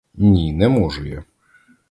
Ні, не можу я!